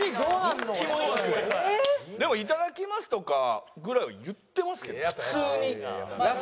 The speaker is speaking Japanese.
でも「いただきます」とかぐらいは言ってますけど普通に。